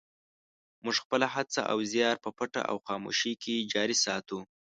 موږ خپله هڅه او زیار په پټه او خاموشۍ کې جاري ساتو.